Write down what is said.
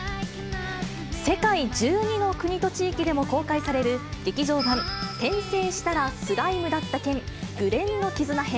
世界１２の国と地域でも公開される、劇場版転生したらスライムだった件紅蓮の絆編。